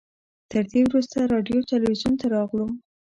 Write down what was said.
تر دې وروسته راډیو تلویزیون ته ورغلو.